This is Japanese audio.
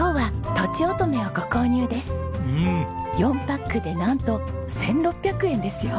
４パックでなんと１６００円ですよ！